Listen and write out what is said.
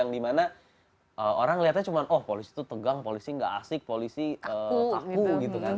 dimana orang lihatnya cuma oh polisi itu tegang polisi gak asik polisi kaku gitu kan